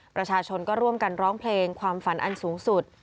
ประชาชนก็ร่วมกันร้องเพลงความฝันอันสูงสุด